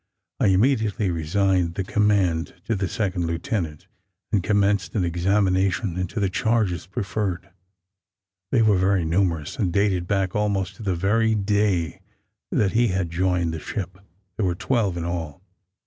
I immediately resigned the command to the second lieutenant, and commenced an examination into the charges preferred. They were very numerous, and dated back almost to the very day that he had joined the ship. There were twelve in all.